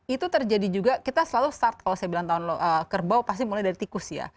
itu terjadi juga kita selalu start kalau saya bilang tahun kerbau pasti mulai dari tikus ya